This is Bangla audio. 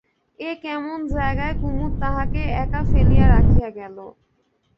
এ কেমন জায়গায় কুমুদ তাহাকে একা ফেলিয়া রাখিয়া গেল?